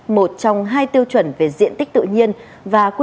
một trong hai tiêu chuẩn về sắp nhập